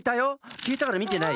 きえたからみてない？